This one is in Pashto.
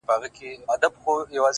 چاته يې لمنه كي څـه رانــه وړل،